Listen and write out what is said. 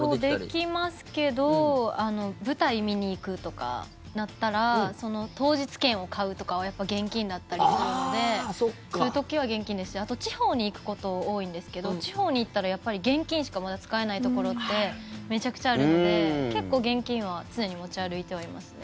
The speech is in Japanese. できますけど舞台見に行くとかなったら当日券を買うとかはやっぱり現金だったりするのでそういう時は現金ですしあと、地方に行くこと多いんですけど地方に行ったら、やっぱり現金しかまだ使えないところってめちゃくちゃあるので結構、現金は常に持ち歩いてはいますね。